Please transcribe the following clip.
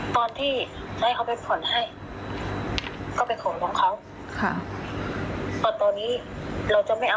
ตอนที่ให้เขาไปผ่อนให้